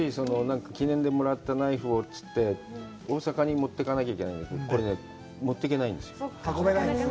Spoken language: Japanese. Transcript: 僕も昔、記念でもらったナイフ、大阪に持ってかなきゃいけないんだけど、これね、持っていけないんですよ。